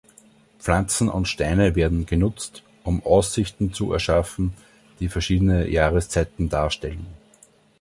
Pflanzen und Steine werden genutzt, um Aussichten zu erschaffen, die verschiedene Jahreszeiten darstellen.